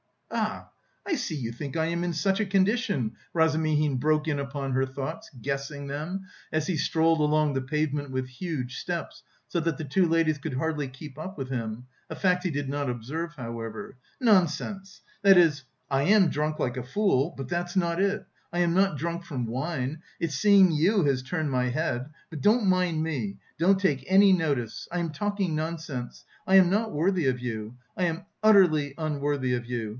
"Ah, I see you think I am in such a condition!" Razumihin broke in upon her thoughts, guessing them, as he strolled along the pavement with huge steps, so that the two ladies could hardly keep up with him, a fact he did not observe, however. "Nonsense! That is... I am drunk like a fool, but that's not it; I am not drunk from wine. It's seeing you has turned my head... But don't mind me! Don't take any notice: I am talking nonsense, I am not worthy of you.... I am utterly unworthy of you!